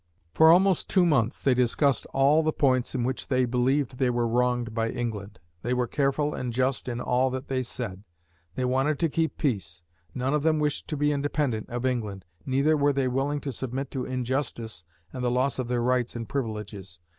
For almost two months, they discussed all the points in which they believed they were wronged by England. They were careful and just in all that they said. They wanted to keep peace. None of them wished to be independent of England. Neither were they willing to submit to injustice and the loss of their rights and privileges.